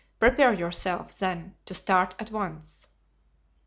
Prepare yourself, then, to start at once."